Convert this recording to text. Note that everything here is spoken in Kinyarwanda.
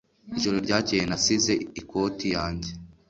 Ijoro ryakeye nasize ikoti yanjye .